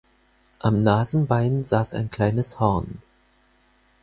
Am Nasenbein saß ein kleines Horn.